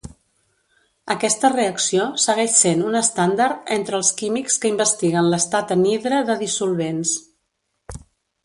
Aquesta reacció segueix sent un estàndard entre els químics que investiguen l'estat anhidre de dissolvents.